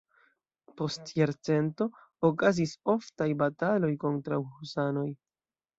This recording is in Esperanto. Post jarcento okazis oftaj bataloj kontraŭ husanoj.